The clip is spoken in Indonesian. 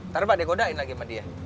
ntar pak dikodain lagi sama dia